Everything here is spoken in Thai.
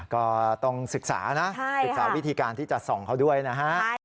ก็ต้องศึกษานะศึกษาวิธีการที่จะส่องเขาด้วยนะฮะ